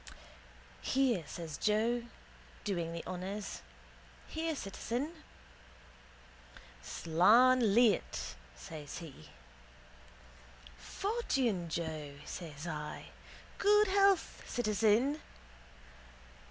—Here, says Joe, doing the honours. Here, citizen. —Slan leat, says he. —Fortune, Joe, says I. Good health, citizen.